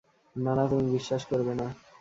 নানা, তুমি বিশ্বাস করবে না।